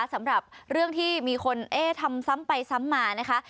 สำหรับเรื่องที่มีคนเอ๊ะทำซ้ำไปซ้ำมานะคะ